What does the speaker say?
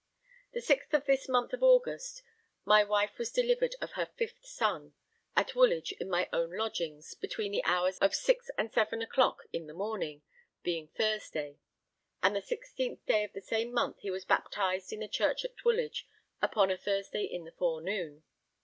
The 6th of this month of August, my wife was delivered of her fifth son, at Woolwich in my own lodgings, between the hours of 6 and 7 of the clock in the morning, being Thursday. And the 16th day of the same month he was baptized in the church at Woolwich, upon a Thursday in the forenoon.